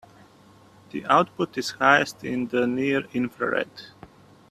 The output is highest in the near infrared.